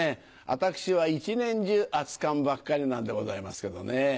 私は一年中熱かんばっかりなんでございますけどね。